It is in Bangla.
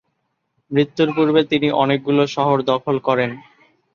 মৃত্যুর পূর্বে তিনি অনেকগুলো শহর দখল করেন।